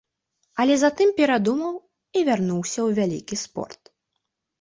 Але затым перадумаў і вярнуўся ў вялікі спорт.